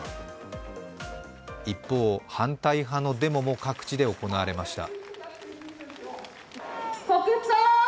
一方、反対派のデモも各地で行われました。